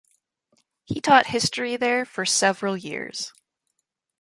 He taught history there for several years.